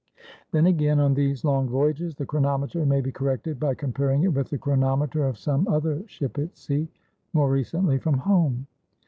Then again, on these long voyages, the chronometer may be corrected by comparing it with the chronometer of some other ship at sea, more recently from home.